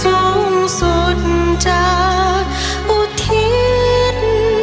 เพื่อความฝันอันสงสุดจะอุทิศ